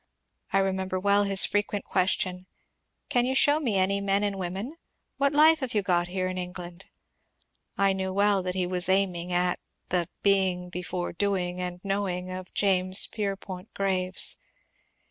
I re member weU his frequent question, ^^ Can you show me any men and women ? What life have you got here in England ?" I knew well that he was aiming at the " Being before Doing and Knowing " of James Pierpont Graves.